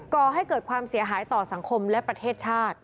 ก่อให้เกิดความเสียหายต่อสังคมและประเทศชาติ